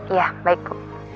ya baik bu